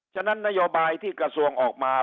ฉะนั้นนโยบายที่กระทรวงออกมา